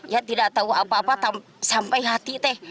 ya tidak tahu apa apa sampai hati teh